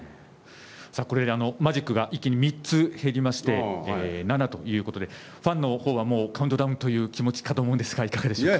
これでマジックが一気に３つ減りまして７ということでファンの方はもうカウントダウンという気持ちかと思うんですがいかがでしょうか。